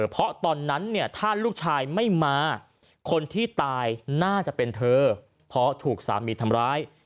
เพราะตอนนั้นเนี่ยถ้าลูกชายไม่มาคนที่ตายน่าจะเป็นเธอเพราะถูกสามีทำร้าย